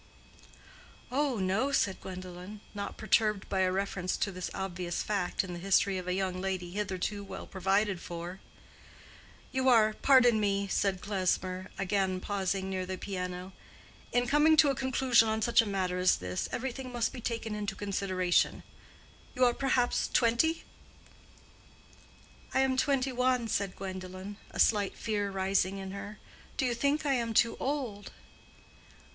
"Oh, no," said Gwendolen, not perturbed by a reference to this obvious fact in the history of a young lady hitherto well provided for. "You are—pardon me," said Klesmer, again pausing near the piano—"in coming to a conclusion on such a matter as this, everything must be taken into consideration—you are perhaps twenty?" "I am twenty one," said Gwendolen, a slight fear rising in her. "Do you think I am too old?"